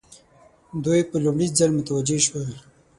دوی په لومړي ځل متوجه شول.